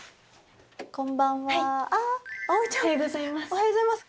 おはようございます。